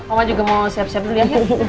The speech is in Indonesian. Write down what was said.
oma juga mau siap siap dulu ya